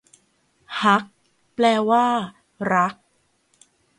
ฮัก แปลว่า รัก